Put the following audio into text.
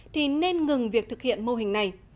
thì nên ngừng việc thực hiện mô hình này